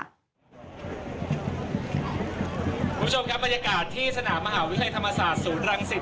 คุณผู้ชมครับบรรยากาศที่สนามมหาวิทยาลัยธรรมศาสตร์ศูนย์รังสิต